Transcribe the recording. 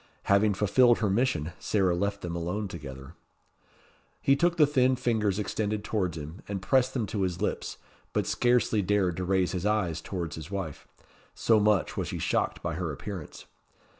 Having fulfilled her mission, Sarah left them alone together. He took the thin fingers extended towards him, and pressed them to his lips, but scarcely dared to raise his eyes towards his wife, so much was he shocked by her appearance.